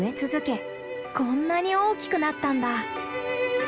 こんなに大きくなったんだ。